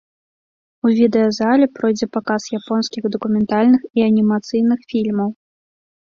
У відэазале пройдзе паказ японскіх дакументальных і анімацыйных фільмаў.